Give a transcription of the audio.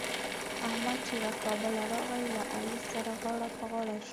احمد چې له کابله راغی؛ له علي سره غاړه په غاړه شو.